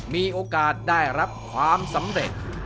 มีโอกาสได้รับความสำเร็จ